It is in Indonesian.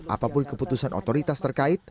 apapun keputusan otoritas terkait